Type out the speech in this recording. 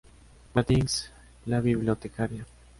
Watkins, la bibliotecaria.